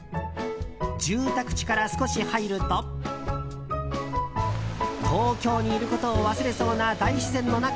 住宅地から少し入ると東京にいることを忘れそうな大自然の中